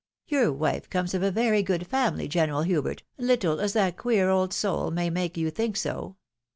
Your wife comes of a very good family, GenerJil Hubert, little as that queer old soul may make you think so."